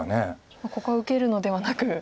ここは受けるのではなく。